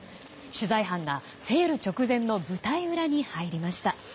取材班がセール直前の舞台裏に入りました。